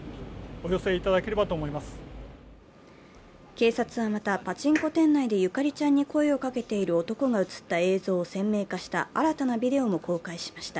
警察はまた、パチンコ店内でゆかりちゃんに声をかけている男が映った映像を鮮明化した新たなビデオも公開しました。